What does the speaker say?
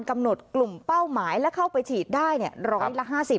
กำหนดกลุ่มเป้าหมายและเข้าไปฉีดได้๑๐๐ละ๕๐